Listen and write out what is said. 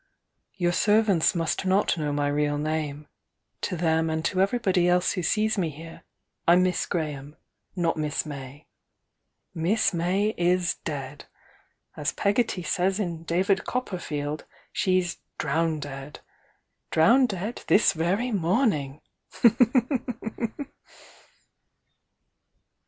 Your serv ants must not know my real name, — to them and to everybody else who sees me here, I'm Miss Graham, — not Miss May. Miss May is dead! As Pegotty says in 'David Copperfield,' she's 'drowndead.' 'Drowndead' this very morning!"